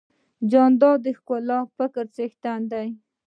جانداد د ښکلي فکر څښتن دی.